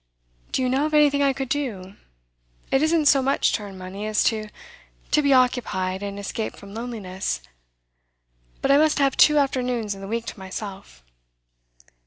'Do you know of anything I could do? It isn't so much to earn money, as to to be occupied, and escape from loneliness. But I must have two afternoons in the week to myself.